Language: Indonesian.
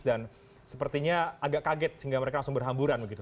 dan sepertinya agak kaget sehingga mereka langsung berhamburan begitu